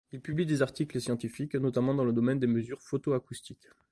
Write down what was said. Il publie des articles scientifiques, notamment dans le domaine des mesures photoacoustiques.